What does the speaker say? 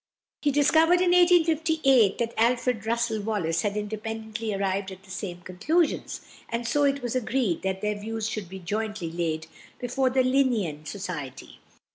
He discovered in 1858 that =Alfred Russel Wallace (1822 )= had independently arrived at the same conclusions, and so it was agreed that their views should be jointly laid before the Linnæan Society.